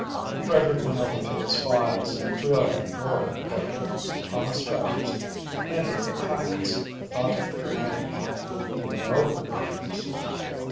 Frederick went over to his files and drew out a drawer labelled "Thomas Travers." In it were packets, methodically arranged. He went over the letters.